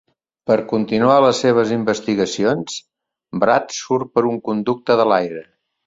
Per continuar les seves investigacions, Brad surt per un conducte de l'aire.